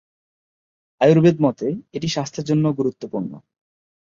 আয়ুর্বেদ মতে, এটি স্বাস্থ্যের জন্যও গুরুত্বপূর্ণ।